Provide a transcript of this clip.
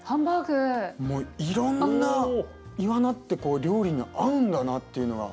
もういろんなイワナって料理に合うんだなっていうのが。